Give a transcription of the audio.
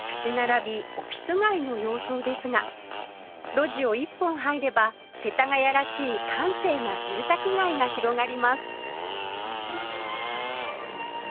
オフィス街の様相ですが路地を一本入れば世田谷らしい閑静な住宅街が広がります